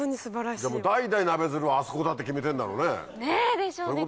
じゃ代々ナベヅルはあそこだって決めてんだろうね。でしょうね。